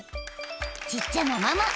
ちっちゃなママ。